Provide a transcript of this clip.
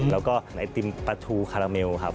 แล้วก็ไอติมปลาทูคาราเมลครับ